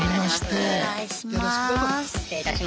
お願いいたします。